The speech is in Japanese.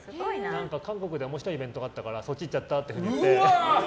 韓国で面白いイベントがあったからそっち行っちゃったって。